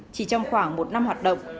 chỉ trong khoảng một năm hoạt động